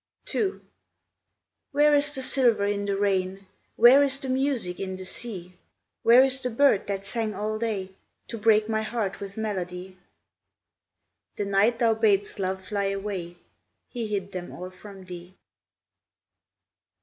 II Where is the silver in the rain, Where is the music in the sea, Where is the bird that sang all day To break my heart with melody? "The night thou badst Love fly away, He hid them all from thee."